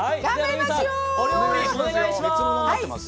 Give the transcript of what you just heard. お料理、お願いします。